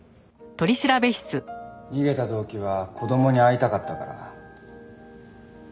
逃げた動機は子供に会いたかったから？